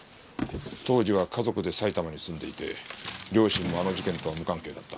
当時は家族で埼玉に住んでいて両親もあの事件とは無関係だった。